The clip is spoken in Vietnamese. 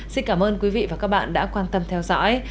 xin cảm ơn quý vị và các bạn đã quan tâm theo dõi